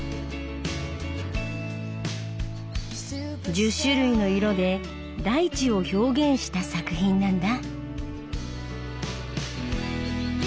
１０種類の色で大地を表現した作品なんだ。